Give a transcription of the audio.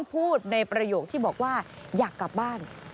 พูดในประโยคที่บอกว่าอยากกลับบ้าน